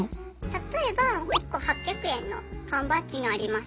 例えば１個８００円の缶バッジがあります。